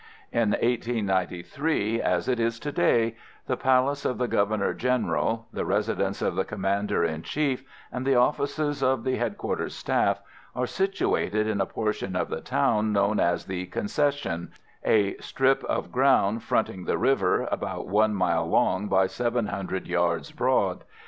In 1893, as it is to day, the palace of the Governor General, the residence of the Commander in Chief, and the offices of the Headquarter Staff are situated in a portion of the town known as the Concession a strip of ground fronting the river, about 1 mile long by 700 yards broad.